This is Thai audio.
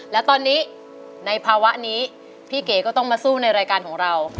และตอนนี้ในภาวะนี้พี่เก๋ก็ต้องมาสู้ในรายการของเรา